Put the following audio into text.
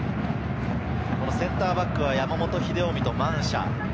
センターバックは山本英臣とマンシャ。